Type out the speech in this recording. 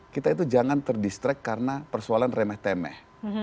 kita itu jangan terdistract karena persoalan remeh temeh